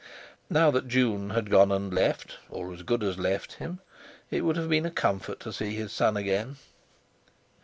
Now that June had gone and left, or as good as left him, it would have been a comfort to see his son again.